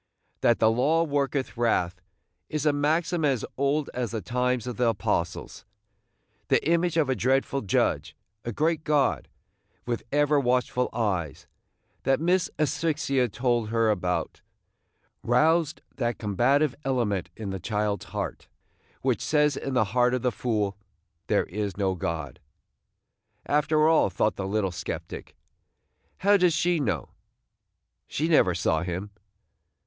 That "the law worketh wrath" is a maxim as old as the times of the Apostles. The image of a dreadful Judge – a great God, with ever watchful eyes, that Miss Asphyxia told her about – roused that combative element in the child's heart which says in the heart of the fool, "There is no God." "After all," thought the little sceptic, "how does she know? She never saw him."